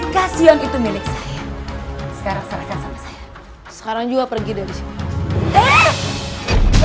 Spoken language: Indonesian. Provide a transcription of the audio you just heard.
kenapa bawa koper gini sih